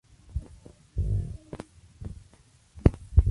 Los caminos eran estrechos y apenas uno principal y dos menores en los flancos.